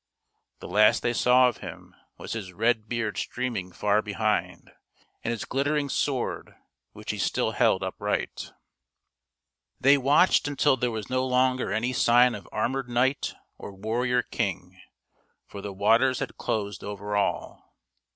The last they saw of him was his red beard stream ing far behind, and his glittering sword, which he still held upright. They watched until there was no longer any sign of armored knight or warrior king, for the waters had closed over all.